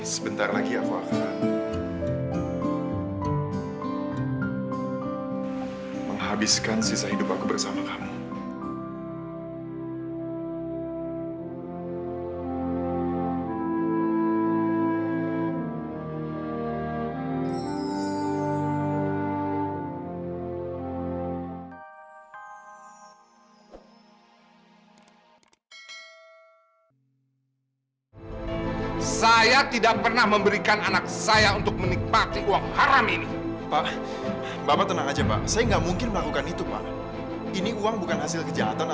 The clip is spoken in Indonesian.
selamat siang ibu milo